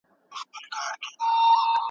د دلارام سیند اوبه د کرنې لپاره ډېري پکار دي